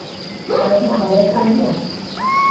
কারো কি খাবারের প্রয়োজন?